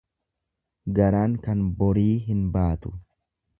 Garaan kan borii hin baatu.